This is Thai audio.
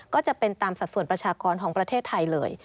ก็จะเป็นตามสัดส่วนประชากรของประเทศไทยเลย